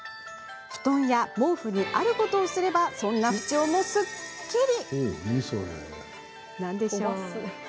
布団や毛布にあることをすればそんな不調もすっきり。